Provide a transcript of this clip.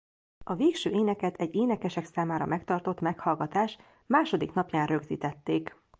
A végső éneket egy énekesek számára megtartott meghallgatás második napján rögzítették.